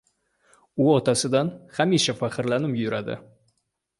U otasidan hamisha faxrlanib yuradi.